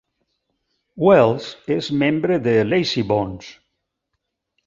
Wells és membre de Lazybones.